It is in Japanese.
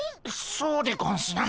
そうでゴンスな。